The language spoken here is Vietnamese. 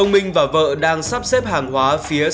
ông mình và vợ đang sắp xếp hàng hóa phía bên kia